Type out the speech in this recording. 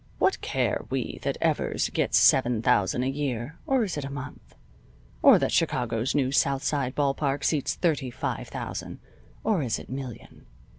What care we that Evers gets seven thousand a year (or is it a month?); or that Chicago's new South side ball park seats thirty five thousand (or is it million?).